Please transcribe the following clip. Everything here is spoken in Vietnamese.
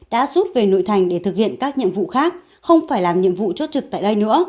đã rút về nội thành để thực hiện các nhiệm vụ khác không phải làm nhiệm vụ chốt trực tại đây nữa